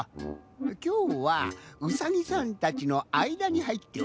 きょうはうさぎさんたちのあいだにはいっております。